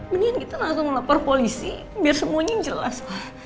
mendingan kita langsung lapor polisi biar semuanya jelas